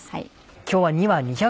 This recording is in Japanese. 今日は。